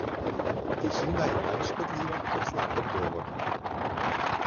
Tišina je manj škodljiva kot slab odgovor.